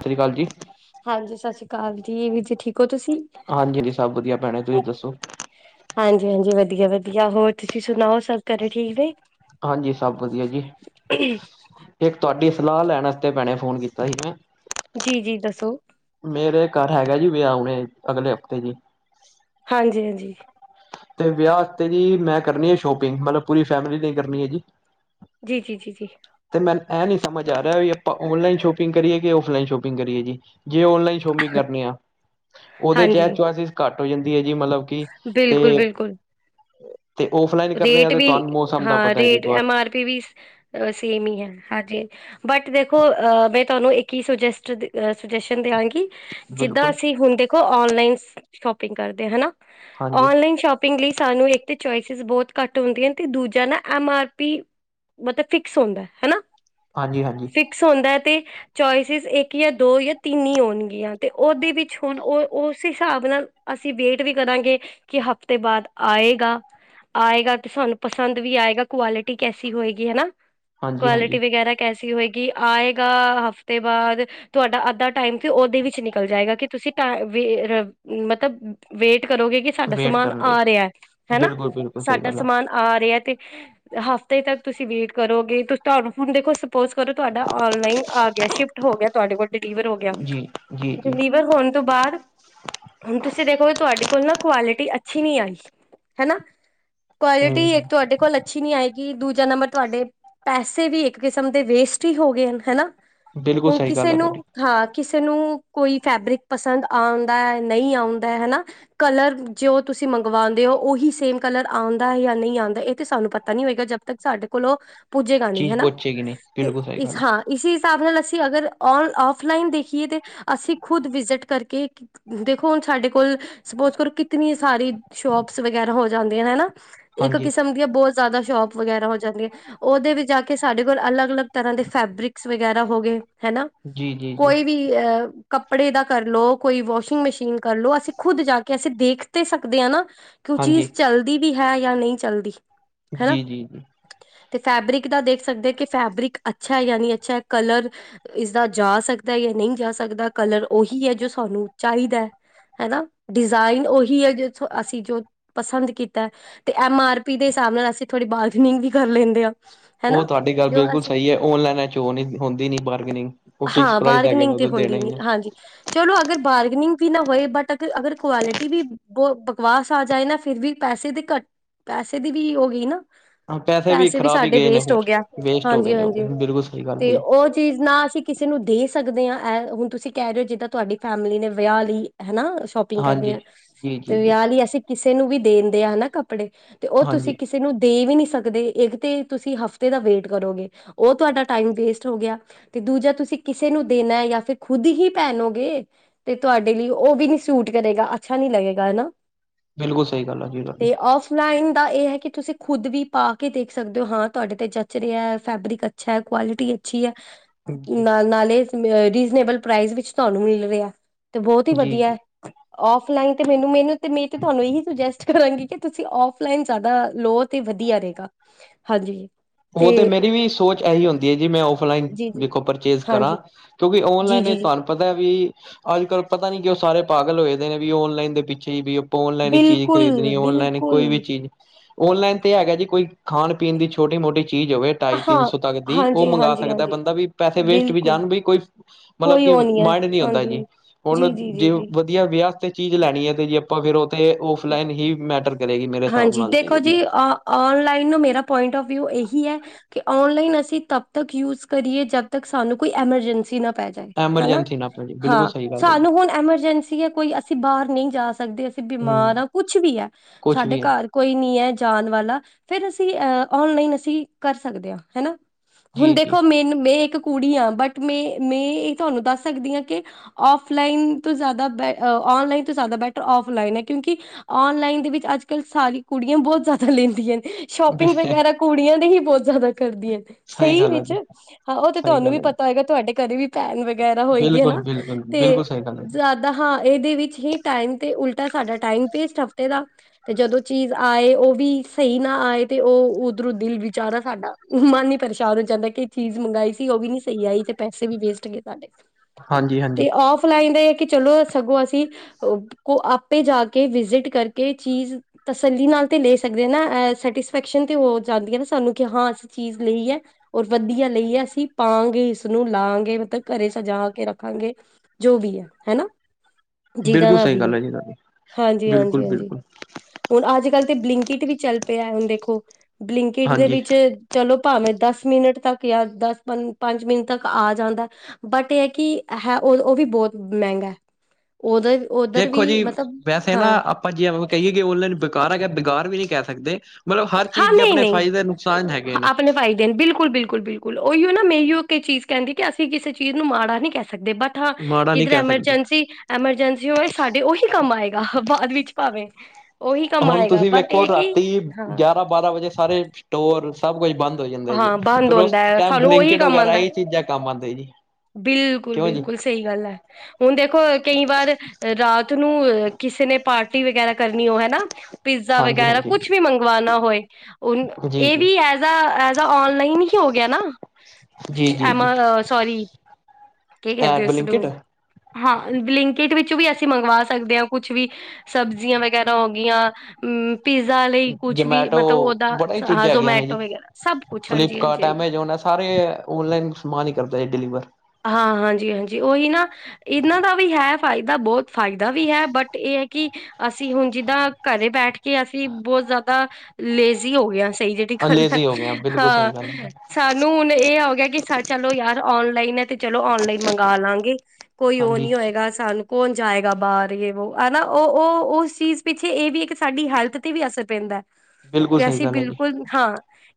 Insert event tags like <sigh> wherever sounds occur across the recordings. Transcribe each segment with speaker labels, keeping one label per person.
Speaker 1: ਸਤਿ ਸ਼ੀ ਅਕਾਲ ਜੀ।
Speaker 2: ਹਾਂਜੀ ਸਤਿ ਸ੍ਰੀ ਅਕਾਲ ਜੀ, ਵੀਰ ਜੀ ਠੀਕ ਹੋ ਤੁਸੀਂ?
Speaker 1: ਹਾਂਜੀ ਹਾਂਜੀ ਸਭ ਵਧੀਆ ਭੈਣੇ ਤੁਸੀਂ ਦੱਸੋ
Speaker 2: ਹਾਂਜੀ ਹਾਂਜੀ ਵਧੀਆ ਵਧੀਆ, ਹੋਰ ਤੁਸੀਂ ਸੁਣਾਔ ਸਭ ਘਰੇ ਠੀਕ ਨੇ।
Speaker 1: ਹਾਂਜੀ ਸਭ ਵਧੀਆ ਜੀ, ਇੱਕ ਤੁਹਾਡੀ ਸਲਾਹ ਲੈਣ ਵਸਤੇ ਭੈਣੇ ਫੋਨ ਕੀਤਾ ਸੀਗਾ।
Speaker 2: ਜੀ ਜੀ ਦੱਸੋ?
Speaker 1: ਮੇਰੇ ਘਰ ਹੈਗਾ ਜੀ ਵਿਆਹ, ਹੁਣੇ ਅਗਲੇ ਹਫ਼ਤੇ ਜੀ।
Speaker 2: ਹਾਂਜੀ ਹਾਂਜੀ।
Speaker 1: ਤੇ ਵਿਆਹ ਤੇ ਜੀ, ਮੈਂ ਕਰਨੀ ਆ ਸ਼ੋਪਿੰਗ ਮਤਲਬ ਪੂਰੀ ਫੈਮਲੀ ਲਈ ਕਰਨੀ ਹੈ ਜੀ।
Speaker 2: ਜੀ ਜੀ ਜੀ ਜੀ।
Speaker 1: ਤੇ ਮੈਨੂੰ ਆ ਨਈ, ਸਮਝ ਆ ਰਿਹਾ ਵੀ ਆਪਾਂ ਔਨਲਾਈਨ ਸ਼ੋਪਿੰਗ ਕਰੀਏ, ਕਿ ਔਫਲਾਈਨ ਸ਼ੋਪਿੰਗ ਕਰੀਏ ਜੀ, ਜੇ ਔਨਲਾਈਨ ਕਰਨੀ ਆ ਉਹਦੇ ਚ ਇਹ
Speaker 2: ਹਾਂਜੀ
Speaker 1: ਚੁਇਸਿਸ ਘੱਟ ਹੋ ਜਾਂਦੀ ਹੈ ਜੀ ਮਤਲਬ ਕਿ ਤੇ
Speaker 2: ਬਿਲਕੁਲ ਬਿਲਕੁਲ
Speaker 1: ਤੇ ਔਫਲਾਈਨ ਕਰਨੇ ਆ
Speaker 2: ਰੇਟ
Speaker 1: ਤੇ
Speaker 2: ਵੀ
Speaker 1: ਤੁਹਾਨੂੰ ਮੌਸਮ ਦਾ
Speaker 2: ਹਾਂ
Speaker 1: ਪਤਾ ਹੈ ਜੀ
Speaker 2: ਰੇਟ
Speaker 1: ਬਾਹਰ
Speaker 2: ਐਮ ਆਰ ਪੀ ਵੀ ਸੇਮ ਹੀ ਹੈ, ਹਾਂਜੀ ਬਟ ਦੇਖੋ ਮੈਂ ਤੁਹਾਨੂੰ, ਇੱਕ ਹੀ ਸੁਜੈਸ਼ਨ ਦਿਆਂਗੀ ਕਿ ਜਿੱਦਾਂ,
Speaker 1: ਬਿਲਕੁਲ
Speaker 2: ਅਸੀਂ ਹੁਣ ਦੇਖੋ ਔਨਲਾਈਨ ਸ਼ੋਪਿੰਗ ਕਰਦੇ ਹਾਂ ਹਨਾ
Speaker 1: ਹਾਂਜੀ
Speaker 2: ਔਨਲਾਈਨ ਸ਼ੋਪਿੰਗ ਲਈ, ਸਾਨੂੰ ਇੱਕ ਚੋਆਇਸ ਬਹੁਤ ਘੱਟ ਹੁੰਦੀ, ਤੇ ਦੂਜਾ ਨਾ ਐਮ ਆਰ ਪੀ ਮਤਲਬ, ਫਿਕਸ ਹੁੰਦਾ ਹਨਾ।
Speaker 1: ਹਾਂਜੀ ਹਾਂਜੀ
Speaker 2: ਫਿਕਸ, ਹੁੰਦਾ ਹੈ ਤੇ ਚੋਇਸਿਸ ਇੱਕ ਜਾਂ ਦੋ ਜਾਂ ਤਿੰਨ ਹੋਣਗੀਆਂ ਤੇ ਉਹਦੇ ਵਿੱਚ ਹੁਣ ਉਹ ਉਸ ਹਿਸਾਬ ਨਾਲ ਅਸੀਂ ਵੇਟ ਵੀ ਕਰਾਂਗੇ ਕਿ, ਹਫ਼ਤੇ ਬਾਅਦ ਆਏਗਾ ਆਏਗਾ ਤੇ ਸਾਨੂੰ ਪਸੰਦ ਵੀ ਆਏਗਾ ਕੁਆਲਿਟੀ ਕੈਸੀ ਹੋਏਗੀ ਹਨਾ
Speaker 1: ਹਾਂਜੀ
Speaker 2: ਕੁਆਲਿਟੀ
Speaker 1: ਹਾਂਜੀ
Speaker 2: ਵਗੈਰਾ ਕ ਹੋਏਗੀ ਆਏਗਾ ਹਫ਼ਤੇ ਬਾਅਦ ਤੁਹਾਡਾ ਅੱਧਾ ਟਾਈਮ ਤੇ ਉਹਦੇ ਵਿੱਚ ਨਿਕਲ ਜਾਏਗਾ ਕਿ ਤੁਸੀਂ ਮਤਲਬ ਵੇਟ ਕਰੋਗੇ ਕਿ, ਸਾਡਾ
Speaker 1: ਵੇਟ
Speaker 2: ਸਮਾਨ
Speaker 1: ਕਰਨ ਲਈ
Speaker 2: ਆ ਰਿਹਾ ਹਨਾ
Speaker 1: ਬਿਲਕੁਲ ਬਿਲਕੁਲ ਸਹੀ
Speaker 2: ਸਾਡਾ
Speaker 1: ਗੱਲ
Speaker 2: ਸਮਾਨ ਆ ਰਿਹਾ ਤੇ ਹਫ਼ਤੇ ਤੱਕ ਤੁਸੀਂ ਵੇਟ ਕਰੋਗੇ ਤੁਸੀਂ ਤੁਹਾਨੂੰ ਹੁਣ ਦੇਖੋ ਪੋਸਟ ਕਰੋ ਤੁਹਾਡਾ ਔਨਲਾਈਨ ਆ ਗਿਆ ਸ਼ਿਫਟ ਹੋ ਗਿਆ ਤੁਹਾਡੇ ਕੋਲ ਡਿਲੀਵਰ ਹੋ ਗਿਆ।
Speaker 1: ਜੀ ਜੀ ਜੀ
Speaker 2: ਡਿਲੀਵਰ ਹੋਣ ਤੋਂ ਬਾਅਦ ਹੁਣ ਤੁਸੀਂ ਦੇਖੋ ਤੁਹਾਡੇ ਕੋਲ ਨਾ ਕੁਆਲਿਟੀ ਅ ਅੱਛੀ ਨਹੀਂ ਆਈ ਹਨਾ ਕੁਆਲਿਟੀ ਇੱਕ
Speaker 1: ਹੂੰ
Speaker 2: ਤੁਹਾਡੇ ਕੋਲ ਅੱਛੀ ਨਹੀਂ ਆਏਗੀ ਕਿ ਦੂਜਾ ਨੰਬਰ ਤੁਹਾਡੇ ਪੈਸੇ ਵੀ ਇੱਕ ਕਿਸਮ ਦੇ ਵੇਸਟ ਹੀ ਹੋ ਗਏ ਹਨ ਹਨਾ
Speaker 1: ਬਿਲਕੁਲ
Speaker 2: ਹੁਣ
Speaker 1: ਸਹੀ ਗੱਲ
Speaker 2: ਕਿਸੇ
Speaker 1: ਆ ਤੁਹਾਡੀ
Speaker 2: ਨੂੰ, ਹਾਂ ਕਿਸੇ ਨੂੰ ਕੋਈ ਫੈਬਰਿਕ ਪਸੰਦ ਆਉਂਦਾ ਹੈ ਨਹੀਂ ਆਉਂਦਾ ਹਨਾ ਕਲਰ ਜੋ ਤੁਸੀਂ ਮੰਗਵਾਉਂਦੇ ਹੋ ਉਹੀ ਸੇਮ ਕਲਰ ਆਉਂਦਾ ਹੈ ਜਾਂ ਨਹੀਂ ਆਉਂਦਾ ਇਹ ਤੇ ਸਾਨੂੰ ਪਤਾ ਨੀ ਹੋਏਗਾ ਜਦ ਤੱਕ ਸਾਡੇ ਕੋਲੋਂ ਪੁੱਜੇਗਾ ਨੀ
Speaker 1: ਚੀਜ਼
Speaker 2: ਹਨਾ?
Speaker 1: ਪਹੁੰਚੇਗੀ ਨਹੀਂ ਬਿਲਕੁਲ ਸਹੀ ਗੱਲ ਹੈ
Speaker 2: ਹਿਸਾਬ ਨਾਲ ਅਸੀਂ ਅਗਰ ਔਫਲਾਈਨ ਦੇਖੀਏ ਤੇ ਅਸੀਂ ਖੁਦ ਵਿਜਿਟ ਕਰਕੇ ਦੇਖੋ ਹੁਣ ਸਾਡੇ ਕੋਲ ਸਪੋਜ ਕਰੋ ਇਤਨੀ ਸਾਰੀ ਸ਼ੋਪਸ ਵਗੈਰਾ ਹੋ ਜਾਂਦੀਆਂ ਹਨਾ, ਇੱਕ
Speaker 1: ਹਾਂਜੀ
Speaker 2: ਕਿਸਮ ਦੀਆਂ ਬਹੁਤ ਜ਼ਿਆਦਾ ਸ਼ੋਪ ਵਗੈਰਾ ਹੋ ਜਾਂਦੀ ਹੈ ਉਹਦੇ ਵਿੱਚ ਜਾ ਕੇ ਸਾਡੇ ਕੋਲ ਅਲੱਗ ਅਲੱਗ ਤਰ੍ਹਾਂ ਦੇ ਫੈਬਰਿਕਸ ਵਗੈਰਾ ਹੋਗੇ। ਹਨਾ
Speaker 1: ਜੀ ਜੀ ਜੀ
Speaker 2: ਕੋਈ ਵੀ ਅਹ ਕ ਕੱਪੜੇ ਦਾ ਕਰ ਲਉ ਕੋਈ ਵਾਸ਼ਿੰਗ ਮਸ਼ੀਨ ਕਰ ਲਉ ਅਸੀਂ ਖੁਦ ਜਾ ਕੇ ਅਸੀਂ ਦੇਖ ਤਾਂ ਸਕਦੇ ਹਾਂ ਨਾ। ਕਿਉਂ
Speaker 1: ਹਾਂਜੀ
Speaker 2: ਚੀਜ਼ ਦੀਦੀ ਹੈ ਨਈ ਚੱਲਦੀ ਹਨਾ
Speaker 1: ਜੀ ਜੀ ਜੀ।
Speaker 2: ਤੇ ਫੈਬਰਿਕ ਦਾ ਦੇਖ ਸਕਦੇ ਕਿ ਫੈਬਰਿਕ ਅੱਛਾ ਯਾਨੀ ਅੱਛਾ ਕਲਰ ਇਸਦਾ ਜਾ ਸਕਦਾ ਹੈ ਨਹੀਂ ਜਾ ਸਕਦਾ ਕਲਰ ਉਹੀ ਹੈ ਜੋ ਸਾਨੂੰ ਚਾਹੀਦਾ ਹੈ। ਹਨਾ ਡਿਜ਼ਾਇਨ ਉਹੀ ਹੈ ਜ ਅਸੀਂ ਜੋ ਪਸੰਦ ਕੀਤਾ ਤੇ, ਐਮ ਆਰ ਪੀ ਦੇ ਹਿਸਾਬ ਨਾਲ ਅਸੀਂ ਥੋੜ੍ਹੀ, ਬਾਰਗਨਿੰਗ ਵੀ ਕਰ ਲੈਂਦੇ ਹਾਂ।
Speaker 1: ਉਹ
Speaker 2: ਹਨਾ
Speaker 1: ਤੁਹਾਡੀ ਗੱਲ
Speaker 2: ਜੋ ਅਸੀਂ
Speaker 1: ਬਿਲਕੁਲ ਸਹੀ ਐ, ਓਨਲਾਈਨਾਂ ਚੋਂ ਨ ਹੁੰਦੀ ਨੀ ਬਾਰਗਨਿੰਗ। ਉਹ ਫਿਕਸ
Speaker 2: ਹਾਂ,
Speaker 1: ਪ੍ਰਾਈਜ਼ ਹੈਗੇ ਨੇ
Speaker 2: ਬਾਰਗਨਿੰਗ ਤੇ
Speaker 1: ਉਹਦੇ ਦੇਣੇ
Speaker 2: ਹੁੰਦੀ
Speaker 1: ਹੀ
Speaker 2: ਨੀ
Speaker 1: ਨੇ
Speaker 2: ਹਾਂਜੀ ਚਲੋ ਅਗਰ ਬਾ ਬਾਰਨਿੰਗ ਵੀ ਨਾ ਹੋਏ ਬਟ ਅ ਅਗਰ ਕੁਆਲਿਟੀ ਵੀ ਬਕਵਾਸ ਆ ਜਾਏ ਨਾ ਫਿਰ ਵੀ ਪੈਸੇ ਦੇ ਘੱਟ ਪੈਸੇ ਦੀ ਵੀ ਹੋ ਗਈ ਨਾ।
Speaker 1: ਹਾਂ,
Speaker 2: ਪੈਸੇ ਵੀ
Speaker 1: ਖ਼ਰਾਬ ਹੀ
Speaker 2: ਸਾਡੇ
Speaker 1: ਗਏ ਨੇ
Speaker 2: ਵੇਸਟ ਹੋ
Speaker 1: ਫਿਰ
Speaker 2: ਗਿਆ,
Speaker 1: ਵੇਸਟ ਹੋ ਗਏ ਨੇ
Speaker 2: ਹਾਂਜੀ-ਹਾਂਜੀ,
Speaker 1: ਉਹਦੇ ਬਿਲਕੁਲ ਸਹੀ ਗੱਲ ਹੈ
Speaker 2: ਤੇ
Speaker 1: ਜੀ
Speaker 2: ਉਹ ਚੀਜ਼ ਨਾ ਅਸੀਂ ਕਿਸੇ ਨੂ ਨੂੰ ਦੇ ਸਕਦੇ ਹਾਂ ਇਹ ਹੁਣ ਤੁਸੀਂ ਕਹਿ ਰਹੇ ਹੋ ਜਿੱਦਾਂ ਤੁਹਾਡੀ ਫੈਮਲੀ ਨੇ ਵਿਆਹ ਲਈ ਹੇਨਾ, ਸ਼ੋਪਿੰਗ ਕਰਨੀ
Speaker 1: ਹਾਂਜੀ
Speaker 2: ਏ,
Speaker 1: ਜੀ ਜੀ
Speaker 2: ਤੇ
Speaker 1: ਜੀ
Speaker 2: ਵਿਆਹ ਲਈ ਅਸੀਂ ਕਿਸੇ ਨੂੰ ਵੀ ਦੇਣਦੇ ਆਂ ਨਾ ਕੱਪ ਕੱਪੜੇ ਤੇ ਉਹ ਤੁਸੀਂ
Speaker 1: ਹਾਂਜੀ
Speaker 2: ਕਿਸੇ ਨੂੰ ਦੇ ਵੀ ਨਹੀਂ ਸ ਸਕਦੇ ਇੱਕ ਤੇ ਤੁਸੀਂ ਹਫ਼ਤੇ ਦਾ ਵੇਟ ਕਰੋਗੇ ਉਹ ਤੁਹਾਡਾ ਟਾਈਮ ਵੇਸਟ ਹੋ ਗਿਆ ਤੇ ਦੂਜਾ ਤੁਸੀਂ ਕਿਸੇ ਨੂੰ ਦੇਨੇ ਯਾ ਫਿਰ ਖੁਦ ਹੀ ਪੈਨੋਗੇ ਤੇ ਤੁਹਾਡੇ ਲਈ ਉਹ ਵੀ ਨੀ ਸੂਟ ਕਰੇਗਾ। ਅੱਛਾ ਨੀ ਲੱਗੇਗਾ ਹੇਨਾ,
Speaker 1: ਬਿਲਕੁਲ ਸਹੀ ਗੱਲ ਆ ਜੀ ਤੁਹਾਡੀ
Speaker 2: ਤੇ ੳਫਲਾਈਨ ਦਾ ਇਹ ਹੈ ਕੇ ਤੁਸੀਂ ਖੁਦ ਵੀ ਪਾ ਕੇ ਦੇਖ ਸਕਦੇ ਹੋ ਹਾਂ ਤੁਹਾਡੇ ਤੇ ਜਚ ਰਿਹਾ ਐ ਫੈਬਰਿਕ ਅੱਛਾ ਐ ਕੁਆਲਿਟੀ ਅੱਛੀ ਐ ।
Speaker 1: ਜੀ
Speaker 2: ਨਾਲ ਨਾਲੇ ਰੀਜਨੇਬਲ ਪ੍ਰਾਈਸ ਵਿਚ ਤੁਹਾਨੂੰ ਮਿਲ ਰਿਹਾ ਤੇ ਬਹੁਤ ਹੀ
Speaker 1: ਜੀ ਜੀ
Speaker 2: ਵਧੀਆ ਐ। ਔਫਲਾਈਨ ਤੇ ਮੈਨੂੰ, ਮੈਨੂੰ ਮੈਂ ਤੁਹਾਨੂੰ ਇਹ ਸੁਜਸਟ ਕਰਾਂਗੀ ਕਿ ਤੁਸੀਂ ਔਫਲਾਈਨ ਜਿਆਦਾ ਲੋ। ਵਧੀਆ ਰਹੇਗਾ ਹਾਂਜੀ।
Speaker 1: ਔ ਤੇ ਮੇਰੀ ਵੀ ਸੋਚ ਇਹੀ ਹੁੰਦੀ ਹੈ ਜੀ, ਮੈਂ ਔਫਲਾਈਨ
Speaker 2: ਜੀ ਜੀ
Speaker 1: ਦੇਖੋ, ਪਰ ਚੇਂਜ ਕਰਾਂ
Speaker 2: ਹਾਂਜੀ
Speaker 1: ਕਿਉਂਕਿ
Speaker 2: ਜੀ
Speaker 1: ਔਨਲਾਈਨ
Speaker 2: ਜੀ
Speaker 1: ਇਹ
Speaker 2: ਜੀ
Speaker 1: ਤੁਹਾਨੂੰ ਪਤਾ ਹੈ ਵੀ? ਅੱਜ ਕੱਲ ਪਤਾ ਨੀ ਕਿਉਂ ਉਹ ਸਾਰੇ ਪਾਗਲ ਹੋਏ ਨੇ ਵੀ, ਔਨਲਾਈਨ ਦੇ ਪਿੱਛੇ ਵੀ। ਔਨਲਾਈਨ ਹੀ ਚੀਜ਼
Speaker 2: ਬਿਲਕੁਲ
Speaker 1: ਖਰੀਦਣੀ, ਔਨਲਾਈਨ
Speaker 2: ਬਿਲਕੁਲ
Speaker 1: ਕੋਈ ਵੀ ਚੀਜ਼। ਔਨਲਾਈਨ ਤੇ ਹੈਗਾ ਜੀ, ਕੋਈ ਖਾਣ ਪੀਣ ਦੀ ਛੋਟੀ ਮੋਟੀ ਚੀਜ਼ ਹੋਵੇ ਢਾਈ ਤਿੰਨ
Speaker 2: ਹਾਂ
Speaker 1: ਸੌ ਤੱਕ ਦੀ, ਔ
Speaker 2: ਹਾਂਜੀ
Speaker 1: ਮੰਗਵਾ
Speaker 2: ਹਾਂਜੀ
Speaker 1: ਸਕਦਾ
Speaker 2: ਹਾਂਜੀ
Speaker 1: ਬੰਦਾ, ਵੀ ਪੈਸੇ ਵੇਸਟ ਵੀ
Speaker 2: ਬਿਲਕੁਲ
Speaker 1: ਜਾਣ ਵੀ ਕੋਈ ਮਤਲਬ ਕਿ
Speaker 2: ਕੋਈ
Speaker 1: ਕੀ
Speaker 2: ਉਹ ਨਹੀਂ ਹੈ
Speaker 1: ਮਾਇਡ ਨੀ ਹੋਂਦਾ
Speaker 2: ਹਾਂਜੀ
Speaker 1: ਜੀ,
Speaker 2: ਹਾਂਜੀ
Speaker 1: ਹੁਣ
Speaker 2: ਜੀ ਜੀ ਜੀ
Speaker 1: ਜੇ
Speaker 2: ਜੀ
Speaker 1: ਵਧੀਆ ਵਿਆਹ ਤੇ ਚੀਜ਼ ਲੈਣੀ ਹੈ ਤੇ ਜੇ ਆਪਾਂ ਫਿਰ ਤੇ ਔਫਲਾਈਨ ਹੀ ਮੈਟਰ ਕਰੇਗੀ ਮੇਰੇ ਹਿਸਾਬ
Speaker 2: ਹਾਂਜੀ
Speaker 1: ਨਾਲ ਤੇ
Speaker 2: ਦੇਖੋ ਜੀ
Speaker 1: ਵਧੀਆ
Speaker 2: ਔਨਲਾਈਨ ਨੂੰ, ਮੇਰਾ ਪੁਆਇੰਟ ਔਫ ਵਿੳ। ਇਹੀ ਹੈ ਕਿ ਔਨਲਾਈਨ ਅਸੀਂ ਤਬ ਤੱਕ ਯੂਜ ਕਰੀਏ, ਜਦ ਤੱਕ ਸਾਨੂੰ ਕੋਈ ਐਮਰਜੈਂਸੀ ਨਾ। ਪੈ ਜਾਏ ਹੈਨਾ।
Speaker 1: ਐਮਰਜੈਂਸੀ ਨਾ ਪੈ ਬਿਲਕੁਲ
Speaker 2: ਹਾਂ
Speaker 1: ਸਹੀ ਗੱਲ ਹੈ ਜੀ
Speaker 2: ਸਾਨੂੰ ਹੁਣ ਐਮਰਜੈਂਸੀ ਹੈ ਕੋਈ, ਅਸੀਂ ਬਾਹਰ ਨਹੀਂ ਜਾ ਸਕਦੇ ਅਸੀਂ ਬਿਮਾਰ
Speaker 1: ਹੂੰ,
Speaker 2: ਹਾਂ ਕੁਛ ਵੀ ਹੈ,
Speaker 1: ਕੁਛ
Speaker 2: ਸਾਡੇ
Speaker 1: ਵੀ ਹੈ
Speaker 2: ਘਰ ਕੋਈ ਨੀ ਹੈ ਜਾਣ ਵਾਲਾ, ਫਿਰ ਅਸੀਂ ਔਨਲਾਈਨ ਅਸੀਂ ਕਰ ਸਕਦੇ ਆਂ ਹੈਨਾ, ਹੁਣ
Speaker 1: ਜੀ, ਜੀ, ਜੀ
Speaker 2: ਦੇਖੋ ਮੇਨ ਮੇਕ ਕੁੜੀ ਆ, ਬਟ ਮੈਂ ਮੈਂ ਇਹ ਤੁਹਾਨੂੰ ਦੱਸ ਸਕਦੀ ਹਾਂ ਕਿ ਔਫਲਾਈਨ ਤੋਂ ਜ਼ਿਆਦਾ ਬੇ ਔਨਲਾਈਨ ਤੋਂ ਜ਼ਿਆਦਾ ਬੈਟਰ ਔਫਲਾਈਨ ਹੈ, ਕਿਉਕਿ? ਕਿਉਂਕਿ ਔਨਲਾਈਨ ਦੇ ਵਿੱਚ ਅੱਜ ਕੱਲ੍ਹ ਸਾਰੀਆਂ ਕੁੜੀਆਂ ਬਹੁਤ ਜ਼ਿਆਦਾ ਲੈਂਦੀਆਂ ਨੇ। ਸ਼ੋਪਿੰਗ ਵਗੈਰਾ ਕੁੜੀਆਂ ਦੇ ਹੀ ਬਹੁਤ ਜ਼ਿਆਦਾ। ਕਰਦੀ ਹੈ ਸਹੀ
Speaker 1: ਗੱਲ ਹੈ
Speaker 2: ਵਿੱਚ
Speaker 1: ਜੀ,
Speaker 2: ਹਾਂ ਉਹ ਤੇ
Speaker 1: ਸਹੀ
Speaker 2: ਤੁਹਾਨੂੰ ਵੀ
Speaker 1: ਗੱਲ ਹੈ ਜੀ।
Speaker 2: ਪਤਾ ਹੋਏਗਾ, ਤੁਹਾਡੇ ਘਰੇ ਵੀ। ਭੈਣ ਵਗੈਰਾ ਹੋਏਗੀ
Speaker 1: ਬਿਲਕੁਲ,
Speaker 2: ਹੈਨਾ,
Speaker 1: ਬਿਲਕੁਲ,
Speaker 2: ਤੇ
Speaker 1: ਬਿਲਕੁਲ ਸਹੀ ਗੱਲ ਹੈ ਜੀ।
Speaker 2: ਜ਼ਿਆਦਾ ਹਾਂ ਇਹਦੇ ਵਿੱਚ ਹੀ ਟਾਈਮ ਤੇ ਉਲਟਾ ਸਾਡਾ ਟਾਈਮ ਤੇ ਇਸ ਹਫਤੇ ਦਾ, ਤੇ ਜਦੋਂ ਚੀਜ਼ ਆਏ ਉਹ ਵੀ ਸਹੀ ਨਾ ਆਏ ਤੇ ਉਹ ਉਧਰੋਂ ਦਿਲ ਵਿਚਾਰ ਐ ਸਾਡਾ, ਮਨ ਹੀ ਪਰੇਸ਼ਾਨ ਹੋ ਜਾਂਦਾ ਕਿ ਚੀਜ਼ ਮੰਗਾਈ ਸੀ, ਔ ਵੀ ਨੀ ਸਹੀ ਆਈ ਤੇ ਪੈਸੇ ਵੀ ਵੇਸਟ ਗਏ। ਸਾਡੇ
Speaker 1: ਹਾਂਜੀ, ਹਾਂਜੀ
Speaker 2: ਤੇ ਔਫਲਾਈਨ ਏ। ਕਿ ਚਲੋ ਸਗੋਂ ਅਸੀਂ, ਕੋ ਆਪੇ ਜਾ ਕੇ। ਜਾਂ ਕੇ ਵਿਜਿਟ ਕਰਕੇ ਚੀਜ਼ ਤਸੱਲੀ ਨਾਲ ਤੇ ਲੈ ਸਕਦੇ ਨਾ, ਅਹ ਸੈਟਿਸਫੈਕਸ਼ਨ ਤੇ ਹੋ ਜਾਂਦੀ ਹੈ ਨਾ। ਤੁਹਾਨੂੰ ਕਿ ਹਾਂ ਅਸੀਂ ਚੀਜ਼ ਲਈ ਹੈ, ਔਰ ਵਧੀਆ ਲਈ ਹੈ, ਅਸੀਂ ਪਾਗੇ ਇਸਨੂੰ ਲਾਗੇ ਇਹਨੂੰ ਤਾਂ ਘਰੇ। ਸਜਾ ਕੇ ਰੱਖਾਂਗੇ, ਜੋ ਵੀ ਹੈ ਹੈਨਾ।
Speaker 1: ਬਿਲਕੁਲ ਸਹੀ ਗੱਲ ਹੈ ਜੀ ਤੁਹਾਡੀ।
Speaker 2: ਹਾਂਜੀ ਹਾਂਜੀ
Speaker 1: ਬਿਲਕੁਲ,
Speaker 2: ਹਾਂਜੀ
Speaker 1: ਬਿਲਕੁਲ
Speaker 2: ਹੁਣ ਅੱਜ ਕੱਲ੍ਹ ਤੇ ਬਲਿੰਕਿਟ ਵੀ ਚੱਲ ਪਿਆ ਹੈ, ਹੁਣ ਦੇਖੋ? ਬਲਿੰਕਿਟ ਦੇ
Speaker 1: ਹਾਂਜੀ।
Speaker 2: ਵਿੱਚ ਚਲੋ ਭਾਵੇਂ। ਦਸ ਮਿੰਟ ਤੱਕ, ਜਾਂ ਦਸ ਪੰਜ ਮਿੰਟ ਤੱਕ, ਆ ਜਾਂਦਾ, ਬਟ ਇਹ ਹੈ ਕਿ ਹੈ ਔ, ਔ ਵੀ। ਵੀ ਬਹੁਤ ਮਹਿੰਗਾ ਹੈ ਉਧਰ-ਉਧਰ ਵੀ ਮਤਲਬ।
Speaker 1: ਤੇ
Speaker 2: ਹਾਂ
Speaker 1: ਨਾ ਆਪਾਂ ਜੇ ਆਪਾਂ ਕਹੀਏ ਔਨਲਾਈਨ ਬੇਕਾਰ ਹੈਗਾ ਬੇਕਾਰ ਵੀ ਨੀ ਕਹਿ ਸਕਦੇ। ਮਤਲਬ ਹਰ ਚੀਜ਼
Speaker 2: ਹਾਂ
Speaker 1: ਦੇ ਆਪਣੇ
Speaker 2: ਨਹੀਂ-ਨਹੀਂ
Speaker 1: ਫਾਇਦੇ ਨੁਕਸਾਨ ਹੈਗੇ ਨੇ,
Speaker 2: ਆਪਣੇ ਭਾਈ ਦੇਣ ਬਿਲਕੁਲ-ਬਿਲਕੁਲ-ਬਿਲਕੁਲ ਉਹੀ ਨਾ। ਮੇਰੀ ਉਹ ਇੱਕ ਚੀਜ਼ ਕਹਿੰਦੀ ਕਿ ਅਸੀਂ ਕਿਸੇ ਚੀਜ਼ ਨੂੰ ਮਾੜਾ ਨਹੀਂ ਕਹੇ। ਸਕਦੇ ਬਟ ਹਾਂ
Speaker 1: ਮਾੜਾ ਨਹੀਂ
Speaker 2: ਕਿੱਧਰ
Speaker 1: ਕਹਿ ਸਕਦੇ।
Speaker 2: ਐਮਰਜੈਂਸੀ-ਐਮਰਜੈਂਸੀ ਹੋਵੇ ਸਾਡੇ ਉਹੀ ਕੰਮ ਆਏਗਾ ਬਾਅਦ ਵਿੱਚ ਭਾਵੇਂ। ਉਹੀ ਕੰਮ
Speaker 1: ਹੁਣ
Speaker 2: ਆਏਗਾ
Speaker 1: ਤੁਸੀਂ
Speaker 2: ਬਟ
Speaker 1: ਵੇਖੋ
Speaker 2: ਇਹ ਕਿ
Speaker 1: ਰਾਤੀ
Speaker 2: ਹਾਂ
Speaker 1: ਗਿਆਰਾਂ ਬਾਰਾਂ ਵਜੇ ਸਾਰੇ ਸਟੋਰ ਸਭ ਕੁਝ ਬੰਦ। ਹੋ ਜਾਂਦਾ ਜੀ
Speaker 2: ਹਾਂ ਬੰਦ
Speaker 1: ਫਿਰ ਉਸ
Speaker 2: ਹੁੰਦਾ ਹੈ
Speaker 1: ਟਾਈਮ
Speaker 2: ਸਾਨੂੰ
Speaker 1: ਬਲਿੰਕਟ ਵਗੈਰਾ ਇਹ ਚੀਜ਼ਾਂ ਕੰਮ ।
Speaker 2: ਬਿਲਕੁਲ-ਬਿਲਕੁਲ ਸਹੀ ਗੱਲ ਹੈ ਹੁਣ ਦੇਖੋ ਕਈ ਵਾਰ ਰਾਤ ਨੂੰ ਅਹ। ਕਿਸੇ ਨੇ ਪਾਰਟੀ ਵਗੈਰਾ ਕਰਨੀ ਹੋ ਹਨਾ ਪੀਜ਼ਾ
Speaker 1: ਹਾਂਜੀ,
Speaker 2: ਵਗੈਰਾ
Speaker 1: ਹਾਂਜੀ,
Speaker 2: ਕੁਛ ਵੀ ਮੰਗਵਾਉਣਾ ਹੋਏ।
Speaker 1: ਜੀ,
Speaker 2: ਇਹ
Speaker 1: ਜੀ।
Speaker 2: ਵੀ ਐਜ-ਐਜ ਆ ਔਨਲਾਈਨ ਹੀ ਹੋ ਗਿਆ ਨਾ।
Speaker 1: ਜੀ ਜੀ
Speaker 2: ਐਮ
Speaker 1: ਜੀ
Speaker 2: ਸੋਰੀ ਕੀ
Speaker 1: ਐ
Speaker 2: ਕਹਿੰਦੇ ਇਸ
Speaker 1: ਬਲਿੰਕਿਟ
Speaker 2: ਨੂੰ। ਹਾਂ ਬਲਿੰਕਟ ਵਿੱਚੋਂ ਵੀ ਅਸੀਂ ਮੰਗਵਾ ਸਕਦੇ ਹਾਂ ਕੁਛ ਵੀ ਸਬਜ਼ੀਆਂ ਵਗੈਰਾ ਹੋ ਗਈਆਂ ਅਮ। ਪੀਜ਼ਾ ਲਈ ਕੁਛ ਵੀ
Speaker 1: ਜਮੈਟੋ
Speaker 2: ਮਤਲਬ ਓਦਾ
Speaker 1: ਬੜਾ ਹੀ ਚੀਜ਼ਾਂ ਹੈਗੀਆਂ ਨੇ ਜੀ
Speaker 2: ਜ਼ੋਮੈਟੋ ਵਗੈਰਾ ਸਭ ਕੁਛ
Speaker 1: ਫਲਿੱਪਕਾਰਟ
Speaker 2: ਹਾਂਜੀ-ਹਾਂਜੀ-ਹਾਂਜੀ।
Speaker 1: ਐਮਾਜੋਨ ਸਾਰੇ ਔਨਲਾਈਨ ਸਮਾਨ ਹੀ ਕਰਦੇ ਹੈ ਡਿਲੀਵਰ।
Speaker 2: ਹਾਂ ਹਾਂਜੀ-ਹਾਂਜੀ ਉਹੀ ਨਾ ਇਹਨਾਂ ਦਾ ਵੀ ਹੈ। ਫਾਇਦਾ ਬਹੁਤ ਫਾਇਦਾ ਵੀ ਹੈ ਬਟ ਇਹ ਹੈ ਕਿ ਅਸੀਂ ਹੁਣ ਜਿੱਦਾਂ ਘਰੇ ਬੈਠ ਕੇ ਅਸੀਂ ਬਹੁਤ। ਜ਼ਿਆਦਾ ਲੇਜ਼ੀ ਹੋ ਗਿਆ ਸੀ। ਸਹੀ ਜਿਹੜੀ ਗੱਲ ਹੈ
Speaker 1: ਲੇਜ਼ੀ ਹੋ ਗਏ ਆ ਬਿਲਕੁਲ ਸਹੀ
Speaker 2: ਹਾਂ
Speaker 1: ਗੱਲ ਹੈ
Speaker 2: ਸਾਨੂੰ ਹੁਣ ਇਹ ਆ ਗਿਆ ਕਿ ਚਲੋ ਯਾਰ। ਔਨਲਾਈਨ ਹੈ ਤੇ ਚਲੋ ਔਨਲਾਈਨ ਮੰਗ ਲਵਾਂਗੇ ਕੋਈ ਉਹ
Speaker 1: ਹਾਂਜੀ
Speaker 2: ਨੀ ਹੋਏਗਾ ਸਾਨੂੰ ਕੌਣ ਜਾਏਗਾ ਬਾਰ ਜੇ ਵੋ ਹਨਾ, ਉਹ ਉਹ ਉਸ ਚੀਜ਼ ਪਿੱਛੇ ਇਹ ਵੀ ਹੈ ਕਿ ਸਾਡੀ ਹੈਲਥ ਤੇ ਵੀ ਅਸਰ ਪੈਂਦਾ।
Speaker 1: ਬਿਲਕੁਲ
Speaker 2: ਕਿ
Speaker 1: ਸਹੀ
Speaker 2: ਅਸੀਂ
Speaker 1: ਗੱਲ ਹੈ ਜੀ
Speaker 2: ਬਿਲਕੁਲ ਹਾਂ,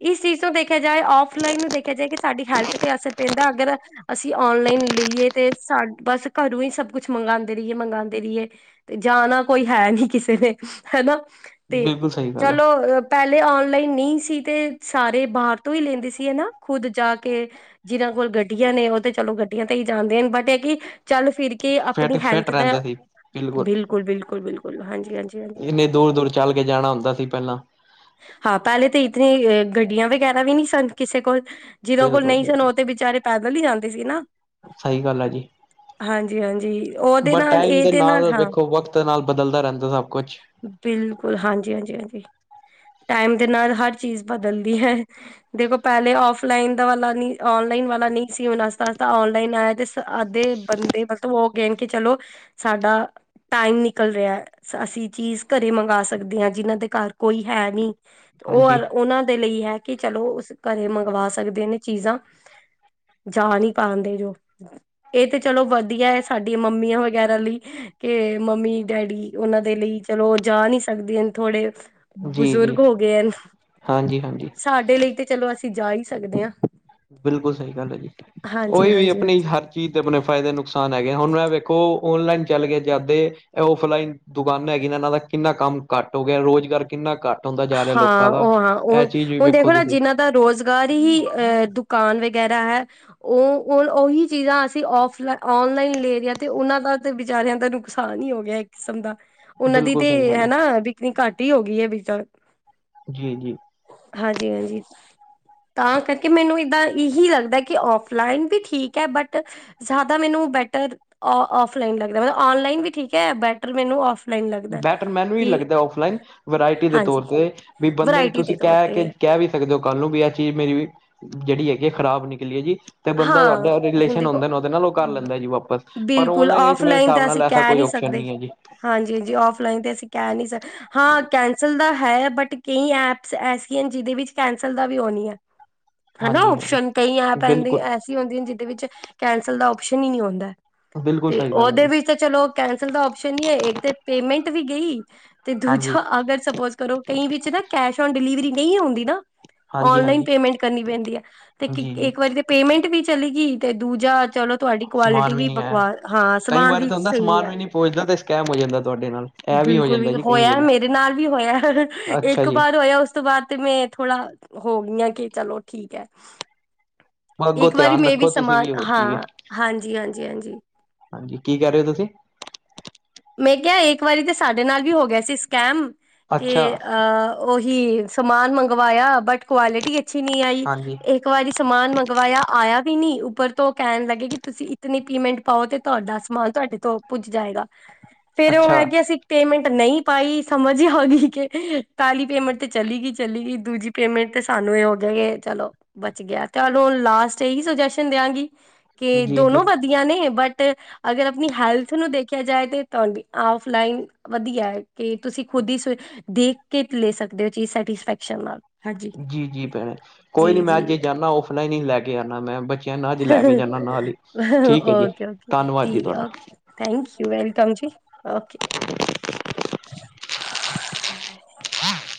Speaker 2: ਇਸ ਚੀਜ਼ ਤੋਂ ਦੇਖਿਆ ਜਾਵੇ ਆਫਲਾਈਨ ਨੂੰ ਦੇਖਿਆ ਜਾਏ ਕਿ ਸਾਡੀ ਹੈਲਥ ਤੇ ਅਸਰ ਪੈਂਦਾ ਅਗਰ, ਅਸੀਂ ਔਨਲਾਈਨ ਲਈਏ ਤੇ ਸਾ ਬਸ ਘਰੋਂ ਹੀ ਸਭ ਕੁਛ ਮੰਗਗਾਉਂਦੇ ਰਹੀਏ ਮੰਗਵਾਉਂਦੇ ਰਹੀਏ ਤੇ, ਜਾਣਾ ਕੋਈ ਹੈ ਨਹੀਂ ਕਿਸੇ ਨੇ ਹਨਾ ਤੇ
Speaker 1: ਬਿਲਕੁਲ ਸਹੀ ਗੱਲ ਆ
Speaker 2: ਚਲੋ ਪਹਿਲੇ ਆਣ ਨਹੀਂ ਸੀ ਤੇ ਸਾਰੇ ਬਾਹਰ ਤੋਂ ਹੀ ਲੈਂਦੇ ਸੀ ਹਨਾ ਖੁੱਦ ਜਾ ਕੇ ਜਿਨਾਂ ਕੋਲ ਗੱਡੀਆਂ ਨੇ, ਤੇ ਚਲੋ ਗੱਡੀਆਂ ਤੇ ਹੀ ਜਾਂਦੇ ਹਨ ਬਟ ਇਹ ਕਿ ਚੱਲ ਫਿਰ ਕੀ, ਕੇ ਆਪਣੀ
Speaker 1: ਫਿਟ ਫਿਟ
Speaker 2: ਹੈਲਥ ਦਾ
Speaker 1: ਰਹਿੰਦੇ ਸੀ ਬਿਲਕੁਲ
Speaker 2: ਬਿਲਕੁਲ-ਬਿਲਕੁਲ-ਬਿਲਕੁਲ, ਹਾਂਜੀ-ਹਾਂਜੀ-ਹਾਂਜੀ,
Speaker 1: ਇੰਨੇ ਦੂਰ ਦੂਰ ਚੱਲ ਕੇ ਜਾਣਾ ਹੁੰਦਾ ਸੀ ਪਹਿਲਾਂ
Speaker 2: ਹਾਂ ਪਹਿਲੇ ਤਾਂ ਇਤੇ ਗੱਡੀਆਂ ਵਗੈਰਾ ਵੀ ਨਹੀਂ ਸਨ ਕਿਸੇ ਕੋਲ ਜਿਹਨਾਂ ਕੋਲ
Speaker 1: ਬਿਲਕੁਲ
Speaker 2: ਨਹੀਂ ਸਨ
Speaker 1: ਬਿਲਕੁਲ
Speaker 2: ਉਹ ਤੇ ਵਿਚਾਰੇ ਪੈਦਲ ਹੀ ਜਾਂਦੇ ਸੀ ਨਾ
Speaker 1: ਸਹੀ ਗੱਲ ਆ ਜੀ,
Speaker 2: ਹਾਂਜੀ ਹਾਂਜੀ ਉਹਦੇ
Speaker 1: ਬੱਟ
Speaker 2: ਨਾਲ
Speaker 1: ਟਾਈਮ ਦੇ
Speaker 2: ਇਹਦੇ
Speaker 1: ਨਾਲ
Speaker 2: ਹਾਂ
Speaker 1: ਵੇਖੋ ਵਕਤ ਨਾਲ ਬਦਲਦਾ ਰਹਿੰਦਾ ਸਭ ਕੁਛ,
Speaker 2: ਬਿਲਕੁਲ ਹਾਂਜੀ-ਹਾਂਜੀ-ਹਾਂਜੀ, ਟਾਈਮ ਦੇ ਨਾਲ ਹਰ ਚੀਜ਼ ਬਦਲਦੀ ਹੈ ਦੇਖੋ ਪਹਿਲੇ ਆਫਲਾਈਨ ਦਾ ਵਾਲਾ ਆਨਲਾਈਨ ਵਾਲਾ ਨਹੀਂ ਸੀ ਉਹਨਾਂ ਨਾਲ ਤਾਂ ਆਨਲਾਈਨ ਆਇਆ ਦੇ ਬੰਦੇ ਮਤਲਬ ਉਹ ਗੇਮ ਕਿ ਚਲੋ ਸਾਡਾ ਟਾਈਮ ਨਿਕਲ ਰਿਹਾ ਅਸੀਂ ਚੀਜ਼ ਘਰੇ ਮੰਗਵਾ ਸਕਦੇ ਹਾਂ ਜਿਹਨਾਂ ਦੇ ਘਰ, ਕੋਈ ਹੈ ਨਹੀਂ ਤੇ ਉਹ
Speaker 1: ਹਾਂਜੀ
Speaker 2: ਉਹਨਾਂ ਦੇ ਲਈ ਹੈ ਕਿ ਚਲੋ ਉਸ ਘਰੇ ਮੰਗਵਾ ਸਕਦੇ ਨੇ ਚੀਜ਼ਾਂ ਜਾ ਨੀ ਪਾਂਦੇ ਜੋ ਇਹ ਤੇ ਚਲੋ ਵਧੀਆ ਹੈ ਸਾਡੀਆਂ ਮੰਮੀਆਂ ਵਗੈਰਾ ਲਈ ਮੰਮੀ ਡੈਡੀ ਉਹਨਾਂ ਦੇ ਲਈ ਚਲੋ ਜਾ ਨਹੀਂ ਸਕਦੇ ਥੋੜੇ
Speaker 1: ਜੀ ਜੀ
Speaker 2: ਬਜ਼ੁਰਗ ਹੋ ਗਏ ਹਨ
Speaker 1: ਹਾਂਜੀ ਹਾਂਜੀ
Speaker 2: ਸਾਡੇ ਲਈ ਤੇ ਚਲੋ ਅਸੀਂ ਜਾ ਹੀ ਸਕਦੇ ਹਾਂ।
Speaker 1: ਬਿਲਕੁਲ ਸਹੀ ਗੱਲ ਹੈ ਜੀ
Speaker 2: ਹਾਂਜੀ
Speaker 1: ਉਹੀ ਵੀ
Speaker 2: ਹਾਂਜੀ
Speaker 1: ਆਪਣੀ
Speaker 2: ਹਾਂਜੀ
Speaker 1: ਹਰ ਚੀਜ਼ ਦੇ ਆਪਣੇ ਫਾਇਦੇ ਨੁਕਸਾਨ ਹੈ। ਹੁਣ ਐ ਵੇਖੋ, ਔਨਲਾਈਨ ਚੱਲ ਗੇ ਜਾਂਦੇ ਔਫਲਾਈਨ ਦੁਕਾਨਾਂ ਹੈਗ ਨੇ ਇਹਨਾਂ ਦਾ ਕਿੰਨਾ ਕੰਮ ਘੱਟ ਹੋ ਗਿਆ ਰੋਜ਼ਗਾਰ, ਕਿੰਨਾ ਘੱਟ ਹੁੰਦਾ ਜਾ ਰਿਹਾ
Speaker 2: ਹਾਂ
Speaker 1: ਲੋਕਾਂ ਦਾ
Speaker 2: ਉਹ ਹਾਂ ਉਹ
Speaker 1: ਇਹ ਚੀਜ਼ ਵੀ
Speaker 2: ਹੁਣ
Speaker 1: ਵੇਖੋ
Speaker 2: ਦੇਖੋ ਨਾ
Speaker 1: ਤੁਸੀਂ
Speaker 2: ਜਿਹਨਾਂ ਦਾ ਰੁਜ਼ਗਾਰ ਹੀ ਅਹੁ ਕੌਣ ਵਗੈਰਾ ਹੈ ਉਹ ਉਹੀ ਚੀਜ਼ਾਂ ਅਸੀਂ ਆਫ ਔਨਲਾਈਨ ਲੇ ਰਹੇ ਆ ਤੇ ਉਹਨਾਂ ਦਾ ਦਾ, ਤੇ ਬਿਚਾਰਿਆਂ ਦਾ ਨੁਕਸਾਨ ਹੀ ਹੋ ਗਿਆ ਇੱਕ ਕਿਸਮ ਦਾ, ਉਹਨਾਂ ਦੀ
Speaker 1: ਬਿਲਕੁਲ ਸਹੀ
Speaker 2: ਤੇ
Speaker 1: ਗੱਲ ਆ
Speaker 2: ਹਨਾ ਬਿਕਨੀ ਘੱਟ ਹੀ ਹੋ ਗਈ ਹੈ ਐ,
Speaker 1: ਜੀ ਜੀ,
Speaker 2: ਹਾਂਜੀ ਹਾਂਜੀ ਤਾਂ ਕਰਕੇ ਮੈਨੂੰ ਇਦਾਂ ਇਹੀ ਲੱਗਦਾ ਕਿ ਆਫਲਾਈਨ ਵੀ ਠੀਕ ਹੈ ਬਟ ਜਿਆਦਾ ਮੈਨੂੰ ਬੈਟਰ ਆਫਲਾਈਨ ਲੱਗ ਰਿਹਾ ਆਨਲਾਈਨ ਵੀ ਠੀਕ ਹੈ ਬੈਟਰ ਮੈਨੂੰ ਔਫਲਾਈਨ ਲੱਗਦਾ
Speaker 1: ਬੈਟਰ ਮੈਨੂੰ ਵੀ
Speaker 2: ਕਿ
Speaker 1: ਲੱਗਦਾ ਆਫਲਾਈਨ ਵਰਾਇਟੀ ਦੇ
Speaker 2: ਹਾਂਜੀ
Speaker 1: ਤੌਰ ਤੇ ਵੀ ਬੰਦੇ ਨੂੰ
Speaker 2: ਵਰਾਇਟੀ ਦੇ
Speaker 1: ਤੁਸੀਂ
Speaker 2: ਤੌਰ
Speaker 1: ਕਹਿ ਕੇ
Speaker 2: ਤੇ
Speaker 1: ਕਹਿ ਵੀ ਸਕਦੇ ਹੋ ਕੱਲ ਨੂੰ ਵੀ ਇਹ ਚੀਜ਼ ਮੇਰੀ ਵੀ ਜਿਹੜੀ ਹੈਗੀ ਹੈ ਖਰਾਬ ਨਿਕਲੀ ਹੈ ਜੀ ਤੇ ਬੰਦਾ
Speaker 2: ਹਾਂ
Speaker 1: ਤੁਹਾਡਾ
Speaker 2: ਹੁਣ
Speaker 1: ਰਿਲੇਸ਼ਨ
Speaker 2: ਦੇਖੋ
Speaker 1: ਹੁੰਦੇ ਉਹਦੇ ਨਾਲ ਉਹ ਕਰ ਲੈਂਦਾ ਜੀ ਵਾਪਸ ਪਰ
Speaker 2: ਬਿਲਕੁਲ
Speaker 1: ਔਨਲਾਈਨ ਮੇਰੇ
Speaker 2: ਔਫਲਾਈਨ
Speaker 1: ਹਿਸਾਬ
Speaker 2: ਤਾਂ
Speaker 1: ਨਾਲ
Speaker 2: ਅਸੀਂ
Speaker 1: ਐਸਾ
Speaker 2: ਕਹਿ
Speaker 1: ਕੋਈ
Speaker 2: ਨਹੀਂ
Speaker 1: ਓਪਸ਼ਨ
Speaker 2: ਸਕਦੇ
Speaker 1: ਨਹੀਂ ਹੈ ਜੀ
Speaker 2: ਹਾਂਜੀ ਜੀ ਆਫ਼ ਨ ਤੇ ਅਸੀਂ ਕਹਿ ਨਹੀਂ ਹਾਂ ਕੈਂਸਲ ਤਾਂ ਹੈ ਬਟ ਕਈ ਐਪਸ ਐਸੀਆਂ ਜਿਹਦੇ ਵਿੱਚ ਕੈਂ ਦਾ ਵੀ ਹੋ ਨਹੀਂ ਹੈ ਹਨਾ
Speaker 1: ਹਾਂਜੀ ਹਾਂਜੀ
Speaker 2: ਓਪਸ਼ਨ ਕਈ ਐ ਪਦੇ
Speaker 1: ਬਿਲਕੁਲ
Speaker 2: ਐਸੀ ਹੁੰਦੀਆਂ ਜਿਹਦੇ ਵਿੱਚ ਕੈਂਸਲ ਦਾ ਆਪਸ਼ਨ ਹੀ ਨਹੀਂ ਆੁੰਦਾ
Speaker 1: ਬਿਲਕੁਲ
Speaker 2: ਤੇ
Speaker 1: ਸਹੀ ਗੱਲ ਹੈ
Speaker 2: ਓਦੇ
Speaker 1: ਜੀ।
Speaker 2: ਵਿਚ ਤਾਂ ਚਲੋ ਕੈਂਸਲ ਦਾ ਆਪਸ਼ਨ ਨ ਹੈ ਇੱਕ ਤੇ ਪੇਮੈਂਟ ਵੀ ਗਈ ਤੇ
Speaker 1: ਹਾਂਜੀ।
Speaker 2: ਦੂਜਾ ਅਗਰ ਸਪੋਜ ਕਰੋ ਕਈ ਵਿੱਚ ਨਾ ਕੈਸ਼ ਆਨ ਡਿਲੀਵਰੀ ਨਹੀਂ ਆਉਂਦੀ ਨਾ
Speaker 1: ਹਾਂਜੀ,
Speaker 2: ਆਨਲਾਈਨ
Speaker 1: ਹਾਂਜੀ,
Speaker 2: ਪੇਮੈਂਟ ਕਰਨੀ ਪੈਂਦੀ ਹੈ ਤੇ
Speaker 1: ਜੀ, ਜੀ
Speaker 2: ਇੱਕ ਵਾਰੀ ਪੇਮੈਂਟ ਵੀ ਚਲੀ ਗਈ ਅਤੇ ਦੂਜਾ ਚਲੋ ਤੁਹਾਡੀ ਕੁਆਲਿਟੀ
Speaker 1: ਸਮਾਨ
Speaker 2: ਵੀ
Speaker 1: ਨਹੀਂ ਆਇਆ।
Speaker 2: ਬਕਵਾ ਹਾਂ
Speaker 1: ਕਈ
Speaker 2: ਸਮਾਨ
Speaker 1: ਵਾਰੀ
Speaker 2: ਵੀ
Speaker 1: ਤਾਂ ਹੁੰਦਾ
Speaker 2: ਸਹੀ ਨੀ
Speaker 1: ਸਮਾਨ
Speaker 2: ਆਇਆ
Speaker 1: ਵੀ ਨਹੀਂ ਪਹੁੰਚਦਾ ਤੇ ਸਕੈਮ ਹੋ ਜਾਂਦਾ ਤੁਹਾਡੇ ਨਾਲ ਇਹ ਹੋ
Speaker 2: ਬਿਲਕੁਲ ਵੀ
Speaker 1: ਜਾਂਦਾ ਜੀ ਕਈ
Speaker 2: ਹੋਇਆ
Speaker 1: ਵਾਰੀ।
Speaker 2: ਮੇਰੇ ਨਾਲ ਵੀ ਹੋਇਆ
Speaker 1: ਅੱਛਾ
Speaker 2: ਇੱਕ
Speaker 1: ਜੀ,
Speaker 2: ਵਾਰ ਹੋਇਆ ਉਸ ਤੋਂ ਬਾਅਦ ਤੇ ਮੈਂ ਥੋੜਾ ਹੋ ਗਈ ਹਾਂ ਕਿ ਚਲੋ ਠੀਕ ਹੈ
Speaker 1: ਅੱਗੋਂ
Speaker 2: ਇੱਕ ਵਾਰੀ
Speaker 1: ਧਿਆਨ
Speaker 2: ਮੈਂ ਵੀ
Speaker 1: ਰੱਖੋ ਤੁਸੀਂ
Speaker 2: ਸਮਾਨ
Speaker 1: ਹੋਰ ਕੀ ਹੈ
Speaker 2: ਹਾਂ, ਹਾਂਜੀ ਹਾਂਜੀ ਹਾਂਜੀ।
Speaker 1: ਹਾਂਜੀ, ਕੀ ਕਹਿ ਰਹੇ ਹੋ ਤੁਸੀਂ?
Speaker 2: ਮੈਂ ਕਿਹਾ ਇੱਕ ਵਾਰੀ ਤੇ ਸਾਡੇ ਨਾਲ ਵੀ ਹੋ ਗਿਆ ਸੀ ਸਕੈਮ,
Speaker 1: ਅੱਛਾ,
Speaker 2: ਤੇ ਅ ਉਹ ਕਿ ਸਮਾਨ ਮੰਗਵਾਇਆ ਬਟ ਕੁਆਲਿਟੀ ਅੱਛੀ ਨਹੀਂ ਆਈ,
Speaker 1: ਹਾਂਜੀ,
Speaker 2: ਇੱਕ ਵਾਰੀ ਸਮਾਨ ਮੰਗਵਾਇਆ ਆਇਆ ਵੀ ਨੀ ਉੱਪਰ ਤੋਂ ਕਹਿਣ ਲੱਗੇ ਕਿ ਤੁਸੀਂ ਇਤਨੀ ਪੇਮੈਂਟ ਪਾਉ ਤੇ ਤੁਹਾਡਾ ਸਮਾਨ ਤੁਹਾਡੇ ਤੋਂ ਪੁੱਜ ਜਾਏਗਾ। ਫੇਰ ਉਹ
Speaker 1: ਅੱਛਾ।
Speaker 2: ਹੈਗੀ ਅਸੀਂ ਪੇਮੈਂਟ ਨਹੀਂ ਪਾਈ, ਸਮਝ ਹੀ ਆ ਗਈ ਕਿ ਖਾਲੀ ਪੇਮੈਂਟ ਤੇ ਚਲੀ ਗਈ। ਚਲੀ ਗਈ, ਦੂਜੀ ਪੇਮੈਂਟ ਤੇ ਸਾਨੂੰ ਇਹ ਹੋ ਗਿਆ ਕਿ ਚਲੋ ਬਚ ਗਿਆ, ਚਲ ਹੁਣ ਲਾਸਟ ਇਹੀ ਸੁਜੈਸ਼ਨ ਦਿਆਗੀ, ਕਿ
Speaker 1: ਜੀ, ਜੀ,
Speaker 2: ਦੋਨੋ ਵਧੀਆ ਨੇ ਬਟ ਅਗਰ ਆਪਣੀ ਹੈਲਥ ਨੂੰ ਦੇਖ ਦੇਖਿਆ ਜਾਏ ਤੇ ਤੁਹਾਡੀ ਆਫਲਾਈਨ ਵਧੀਆ ਹੈ, ਕਿ ਤੁਸੀਂ ਖੁਦ ਹੀ ਦੇਖ ਕੇ ਲੈ ਸਕ ਸਕਦੇ ਹੋ, ਚੀਜ਼ ਸੈਟਿਸਫੈਕਸ਼ਨ ਨਾਲ ਹਾਂਜੀ
Speaker 1: ਜੀ ਜੀ ਭੈਣੇ, ਕੋਈ ਨੀ
Speaker 2: ਜੀ
Speaker 1: ਮੈਂ
Speaker 2: ਜੀ
Speaker 1: ਜੇ ਜਾਨਾ ਔਫਲਾਈਨ ਹੀ ਲੈ ਕੇ ਆਦਾ ਮੈਂ ਨੂੰ ਅੱਜ ਲੈ ਕੇ ਜਾਂਦਾ ਨਾਲ ਹੀ। ਠੀਕ ਹੈ ਜੀ,
Speaker 2: ਓਕੇ
Speaker 1: ਧੰਨਵਾਦ
Speaker 2: ਓਕੇ
Speaker 1: ਜੀ ਤੁਹਾਡਾ।
Speaker 2: Okay, thank you. ਵੈਲਕਮ ਜੀ ਓਕੇ। <unintelligible>